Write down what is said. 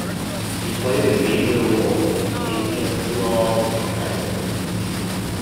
He played a major role in the taking of Bulal and Cairo.